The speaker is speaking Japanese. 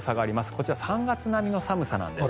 こちら３月並みの寒さなんです。